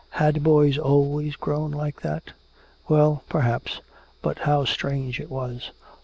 Had boys always grown like that? Well, perhaps, but how strange it was.